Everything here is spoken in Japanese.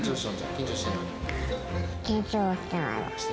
緊張してない。